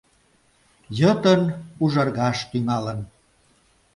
Йытын ужаргаш тӱҥалын.